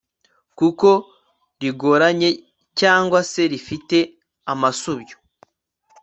kuko rigoramye cyangwa se rifite amasubyo